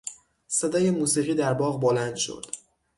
صدای موسیقی در باغ بلند شد.